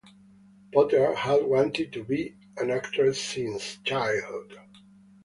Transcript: Potter had wanted to be an actress since childhood.